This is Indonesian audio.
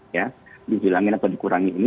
ya dihilangin atau dikurangi ini